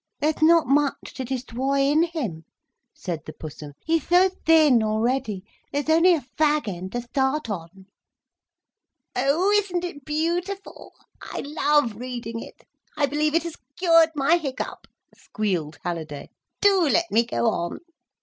"There's not much to destroy in him," said the Pussum. "He's so thin already, there's only a fag end to start on." "Oh, isn't it beautiful! I love reading it! I believe it has cured my hiccup!" squealed Halliday. "Do let me go on.